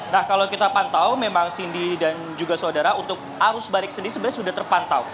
nah kalau kita pantau memang cindy dan juga saudara untuk arus balik sendiri sebenarnya sudah terpantau